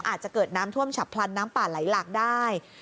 อาจจะเกิดน้ำท่วมฉับพลันน้ำป่าไหลหลากได้